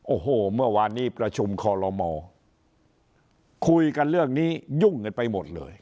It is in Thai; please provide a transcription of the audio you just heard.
โอ้โหเมื่อวานนี้ประชุมคอลโลมคุยกันเรื่องนี้ยุ่งกันไปหมดเลย